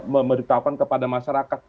memberitahukan kepada masyarakat